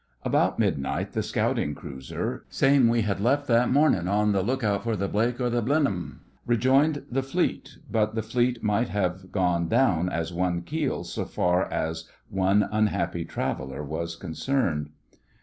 About midnight the scouting cruiser—same we had left that morning on the look out for the Blake or the Blenheim—rejoined the Fleet; but the fleet might have gone down as one keel so far as one unhappy traveller was concerned.